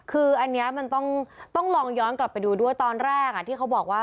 คืออันนี้มันต้องลองย้อนกลับไปดูด้วยตอนแรกที่เขาบอกว่า